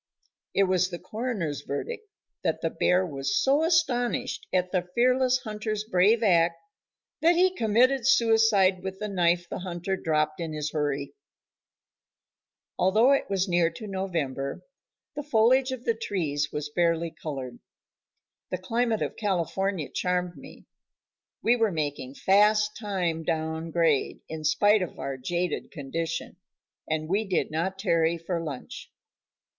It was the coroner's verdict that the bear was so astonished at the fearless hunter's brave act that he committed suicide with the knife the hunter dropped in his hurry. Although it was near to November, the foliage of the trees was barely colored. The climate of California charmed me. We were making fast time down grade, in spite of our jaded condition, and we did not tarry for lunch.